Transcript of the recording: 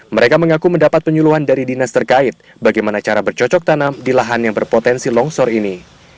mereka mengaku mendapat penyuluhan dari dinas terkait bagaimana cara bercocok tanam di lahan yang berpotensi longsor ini